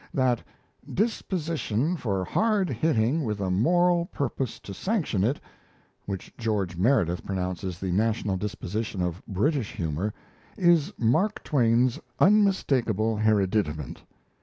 That "disposition for hard hitting with a moral purpose to sanction it," which George Meredith pronounces the national disposition of British humour, is Mark Twain's unmistakable hereditament.